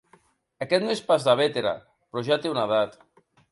Aquest no és pas de Bétera, però ja té una edat.